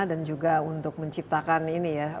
dan juga untuk menciptakan ini ya